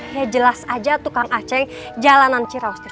ya jelas aja tuh kang aceh jalanan ciraustris